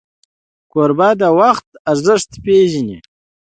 کوربه د وخت ارزښت پیژني.